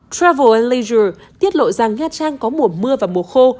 travel and leisure tiết lộ rằng nha trang có mùa mưa và mùa khô